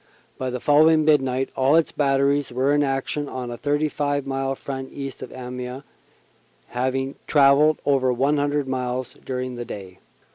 By the following midnight all its batteries were in action on a 35 mile front east of Amiens, having travelled over 100 miles during the day.